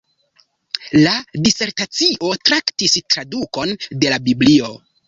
La disertacio traktis tradukon de la biblio.